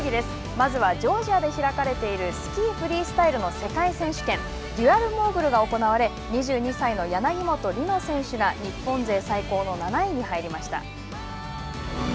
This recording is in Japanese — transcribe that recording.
まずはジョージアで開かれているスキーフリースタイルの世界選手権デュアルモーグルが行われ２２歳の柳本理乃選手が日本勢最高の７位に入りました。